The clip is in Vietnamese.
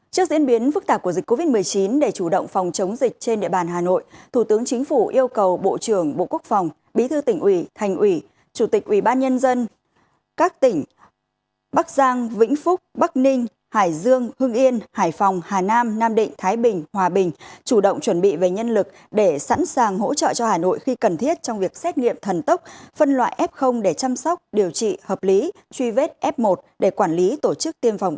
trước diễn biến phức tạp của dịch covid một mươi chín để chủ động phòng chống dịch trên địa bàn hà nội thủ tướng chính phủ yêu cầu bộ trưởng bộ quốc phòng bí thư tỉnh ủy thành ủy chủ tịch ubnd các tỉnh bắc giang vĩnh phúc bắc ninh hải dương hương yên hải phòng hà nam nam định thái bình hòa bình chủ động chuẩn bị về nhân lực để sẵn sàng hỗ trợ cho hà nội khi cần thiết trong việc xét nghiệm thần tốc phân loại f để chăm sóc điều trị hợp lý truy vết f một để quản lý tổ chức tiêm phòng